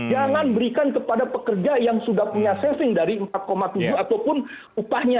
jangan berikan kepada pekerja yang sudah punya saving dari empat tujuh ataupun upahnya